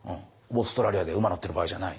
オーストラリアで馬乗ってる場合じゃない。